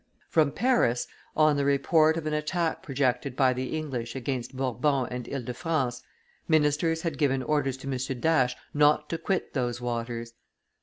From Paris, on the report of an attack projected by the English against Bourbon and Ile de France, ministers had given orders to M. d'Ache not to quit those waters.